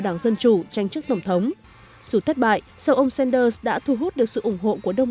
đảng dân chủ tranh chức tổng thống dù thất bại sao ông sanders đã thu hút được sự ủng hộ của đông